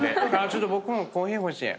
ちょっと僕もコーヒー欲しい。